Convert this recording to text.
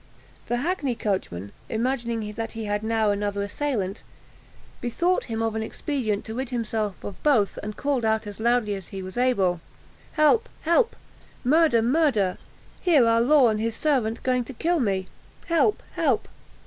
The hackney coachman, imagining that he had now another assailant, bethought him of an expedient to rid himself of both, and called out as loudly as he was able, "Help! help! murder! murder! Here are Law and his servant going to kill me! Help! help!"